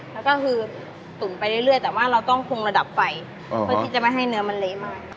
แล้วก็คือตุ๋นไปเรื่อยแต่ว่าเราต้องคุมระดับไฟเพื่อที่จะไม่ให้เนื้อมันเละมาก